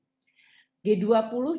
untuk mengurangi utang negara negara miskin